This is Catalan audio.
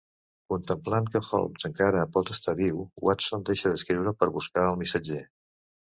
Contemplant que Holmes encara pot estar viu, Watson deixa d'escriure per buscar al missatger.